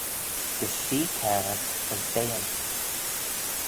Gys shee cairagh, as beayn.